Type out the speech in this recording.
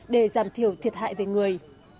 để giảm thiểu thiệt hại về người